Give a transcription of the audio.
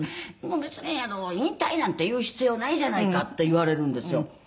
「別に引退なんて言う必要ないじゃないかって言われるんですよ」